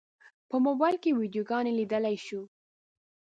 په موبایل کې ویډیوګانې لیدلی شو.